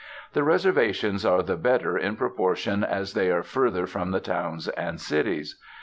The reservations are the better in proportion as they are further from the towns and cities.